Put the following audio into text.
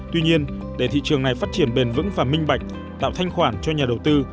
tuy nhiên để thị trường này phát triển bền vững và minh bạch tạo thanh khoản cho nhà đầu tư